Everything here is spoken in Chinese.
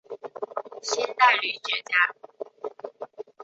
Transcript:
清代理学家。